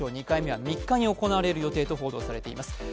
２回目は３日に行われる予定だと報じられています。